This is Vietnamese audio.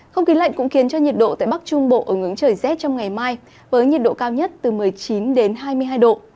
không khí lạnh cũng khiến cho nhiệt độ tại bắc trung bộ ứng ứng trời rét trong ngày mai với nhiệt độ cao nhất từ một mươi chín đến hai mươi hai độ